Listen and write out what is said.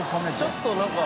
ちょっとなんか。